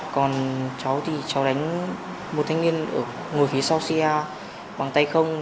còn chó thì chó đánh một thanh niên ngồi phía sau xe bằng tay không